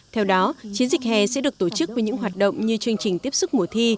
theo đó chiến dịch hè sẽ được tổ chức với những hoạt động như chương trình tiếp sức mùa thi